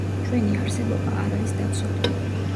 ჩვენი არსებობა არ არის დაცული.